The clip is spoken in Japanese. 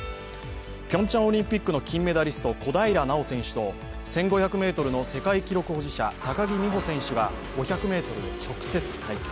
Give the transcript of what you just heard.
ピョンチャンオリンピックの金メダリスト、小平奈緒選手と１５００ｍの世界記録保持者・高木美帆選手が５００ｍの直接対決。